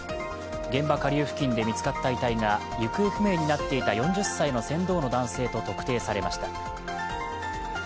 現場下流付近で見つかった遺体が行方不明になっていた４０歳の船頭の男性と特定されました。